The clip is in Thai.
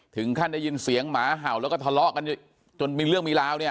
ถึงขั้นได้ยินเสียงหมาเห่าแล้วก็ทะเลาะกันจนมีเรื่องมีราวเนี่ย